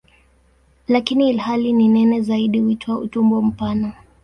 Lakini ilhali ni nene zaidi huitwa "utumbo mpana".